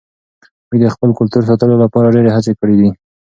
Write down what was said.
موږ د خپل کلتور ساتلو لپاره ډېرې هڅې کړې دي.